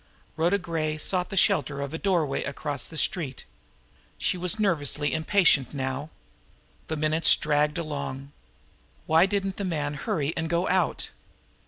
Rhoda Gray sought the shelter of a doorway across the street. She was nervously impatient now. The minutes dragged along. Why didn't 'the man hurry and go out?